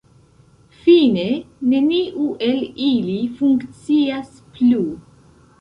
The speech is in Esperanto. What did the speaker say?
Fine, neniu el ili funkcias plu.